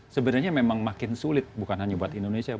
sebenarnya memang makin sulit bukan hanya buat indonesia